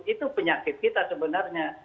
itu penyakit kita sebenarnya